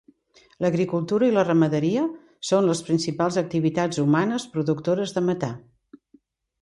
L'agricultura i la ramaderia són les principals activitats humanes productores de metà.